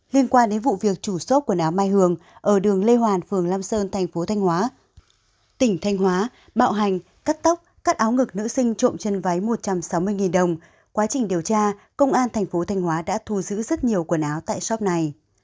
liên quan đến vụ việc chủ số quần áo mai hường ở đường lê hoàn phường lam sơn thành phố thanh hóa tỉnh thanh hóa bạo hành cắt tóc cắt áo ngực nữ sinh trộm trên váy một trăm sáu mươi đồng quá trình điều tra công an thành phố thanh hóa đã thu giữ rất nhiều quần áo tại shop này